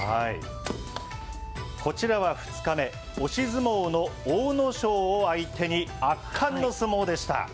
こちらは２日目、押し相撲の阿武咲を相手に圧巻の相撲でした。